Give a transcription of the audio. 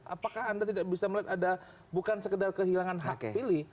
apakah anda tidak bisa melihat ada bukan sekedar kehilangan hak pilih